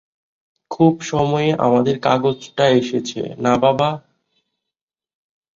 খুব সময়ে আমাদের কাগজটা এসেছে-না বাবা?